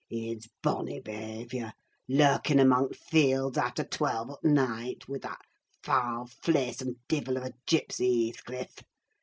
It's bonny behaviour, lurking amang t' fields, after twelve o' t' night, wi' that fahl, flaysome divil of a gipsy, Heathcliff!